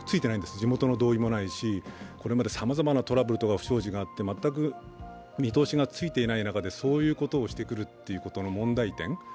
地元の同意もないし、これまでさまざまなトラブルとか不祥事があって、全く見通しがついてない中でそういうことをしてくるということの問題点。